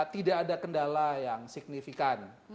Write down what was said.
tidak ada kendala yang signifikan